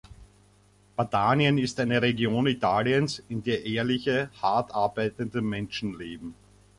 Padanien ist eine Region Italiens, in der ehrliche, hart arbeitende Menschen leben.